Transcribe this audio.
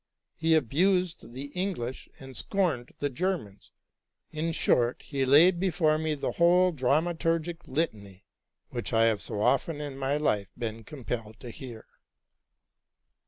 He abused the English and scorned the Germans; in short, he laid before me the whole dramaturgie litany which I have so often in my life been compelled to hear.